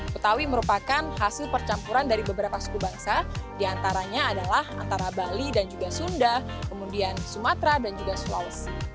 betawi merupakan hasil percampuran dari beberapa suku bangsa diantaranya adalah antara bali dan juga sunda kemudian sumatera dan juga sulawesi